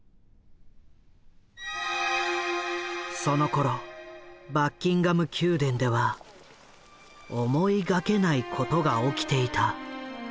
そのころバッキンガム宮殿では思いがけないことが起きていた。